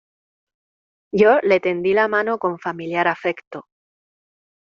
yo le tendí la mano con familiar afecto: